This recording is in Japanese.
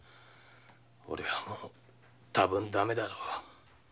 俺はもう多分駄目だろう。